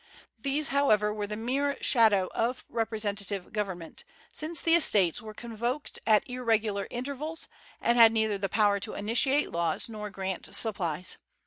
These, however, were the mere shadow of representative government, since the Estates were convoked at irregular intervals, and had neither the power to initiate laws nor grant supplies.